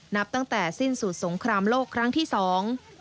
นับตั้งแต่สิ้นสุดสงครามโลกครั้งที่สอง